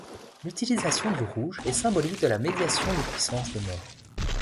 L’utilisation du rouge est symbolique de la médiation des puissances des morts.